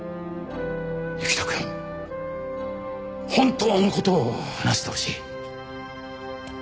行人くん本当の事を話してほしい。